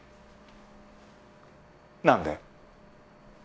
何で？